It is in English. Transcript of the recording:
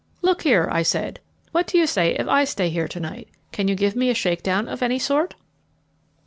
"Look here," I said, "what do you say if I stay here to night? Can you give me a shake down of any sort?"